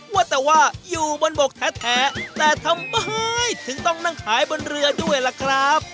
ว่าแต่ว่าอยู่บนบกแท้แต่ทำไมถึงต้องนั่งขายบนเรือด้วยล่ะครับ